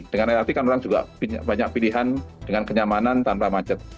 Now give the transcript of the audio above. dengan lrt kan orang juga banyak pilihan dengan kenyamanan tanpa macet